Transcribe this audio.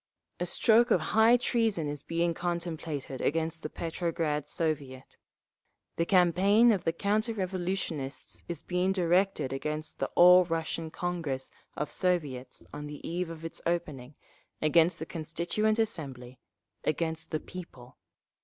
A stroke of high treason is being contemplated against the Petrograd Soviet…. The campaign of the counter revolutionists is being directed against the All Russian Congress of Soviets on the eve of its opening, against the Constituent Assembly, against the people.